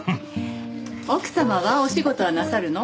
奥様はお仕事はなさるの？